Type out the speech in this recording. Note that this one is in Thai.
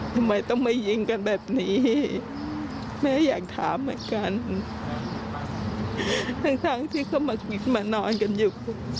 ทำไมต้องมายิงกันแบบนี้แม่อยากถามเหมือนกันทั้งที่เขามากินมานอนกันอยู่